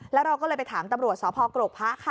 แล้วเราก็เลยไปถามตำรวจสพพค